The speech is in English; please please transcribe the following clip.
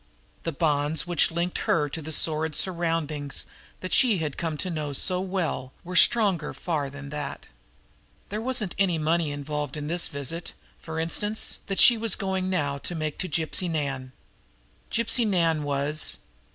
The bonds which linked her to the sordid surroundings that she had come to know so well were stronger far than that. There wasn't any money involved in this visit, for instance, that she was going now to make to Gypsy Nan. Gypsy Nan was...